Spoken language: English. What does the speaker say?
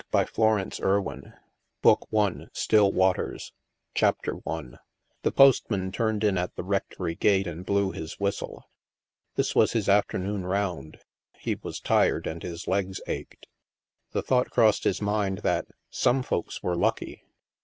109 BOOK THREE Haven 269 BOOK ONE STILL WATERS THE MASK CHAPTER I The postman turned in at the rectory gate and blew his whistle. This was his afternoon round; he was tired, and his legs ached. The thought crossed his mind that "some folks were lucky."